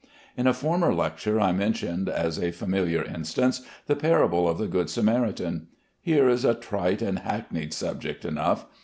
In a former lecture I mentioned, as a familiar instance, the parable of the good Samaritan. Here is a trite and hackneyed subject enough.